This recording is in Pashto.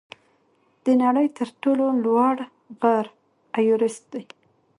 د نړۍ تر ټولو لوړ غر ایورسټ دی.